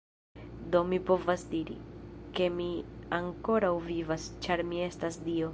Do mi povas diri, ke mi ankoraŭ vivas, ĉar mi estas dio.